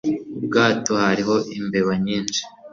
ubwato hariho imbeba nyinshi